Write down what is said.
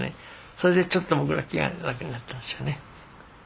それでちょっと僕ら気が楽になったんですよね。